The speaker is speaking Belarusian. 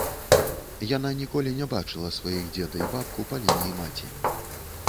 Яна ніколі не бачыла сваіх дзеда і бабку па лініі маці.